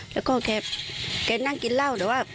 และก็แก่งคิดนั่งกินเหล้า